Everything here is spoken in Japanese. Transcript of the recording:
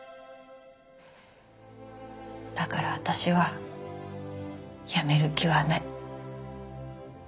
だから私はやめる気はない。